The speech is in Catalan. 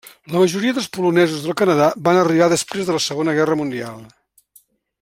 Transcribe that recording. La majoria dels polonesos del Canadà van arribar després de la Segona Guerra Mundial.